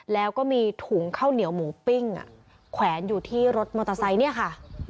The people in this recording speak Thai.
แล้วก็มีถุงข้าวเหนียวหมูปิ้งแขวนอยู่ที่รถมอเตอร์ไซค์เนี่ยค่ะ